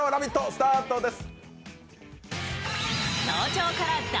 スタートです。